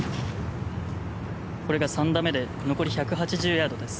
これが３打目で残り１８０ヤードです。